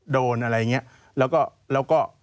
โดนอะไรอย่างนี้